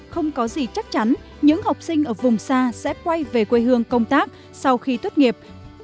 không có gì chắc chắn những học sinh ở vùng xa sẽ quay về quê hương công tác sau khi tốt nghiệp